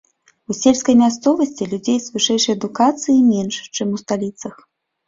У сельскай мясцовасці людзей з вышэйшай адукацыяй менш, чым у сталіцах.